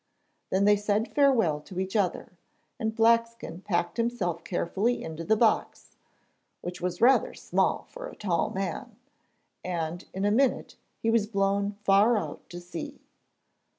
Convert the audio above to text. Then they said farewell to each other, and Blackskin packed himself carefully into the box (which was rather small for a tall man), and in a minute he was blown far out to sea.